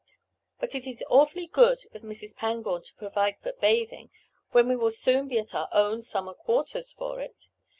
"But it is awfully good of Mrs. Pangborn to provide for bathing when we will soon be at our own summer quarters for it."